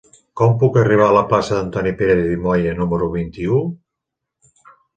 Com puc arribar a la plaça d'Antoni Pérez i Moya número vint-i-u?